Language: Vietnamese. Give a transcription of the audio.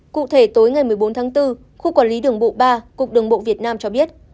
cụ thể tối ngày một mươi bốn tháng bốn khu quản lý đường bộ ba cục đường bộ việt nam cho biết